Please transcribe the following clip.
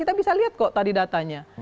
kita bisa lihat kok tadi datanya